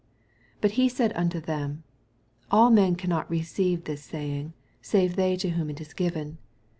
11 Bat he said unto them, All men ^. unot receive this sayins:, save ^ev to whom it is given.